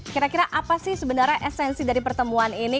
kira kira apa sih sebenarnya esensi dari pertemuan ini